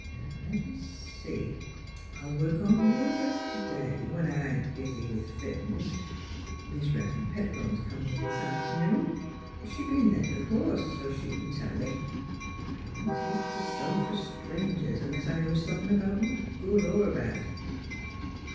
Now le' me see; I'll work on your dress t' day — ^when I ain't busy with fittin's. ... Mis' Eeveren' Pettibone's comin' in this aft 'noon. She's b'en there o' course; so she c'n tell me. I always hate t' sew fer strangers, unless I know somethin' 'bout 'em, good er bad."